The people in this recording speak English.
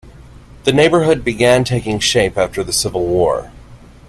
The neighborhood began taking shape after the Civil War.